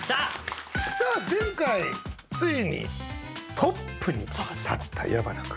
さあ前回ついにトップに立った矢花君。